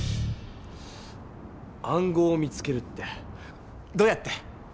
暗号を見つけるってどうやって？